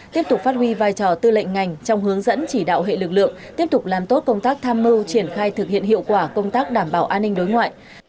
tiếp tục phát huy vai trò tư lệnh ngành trong hướng dẫn chỉ đạo hệ lực lượng tiếp tục làm tốt công tác tham mưu triển khai thực hiện hiệu quả công tác đảm bảo an ninh đối ngoại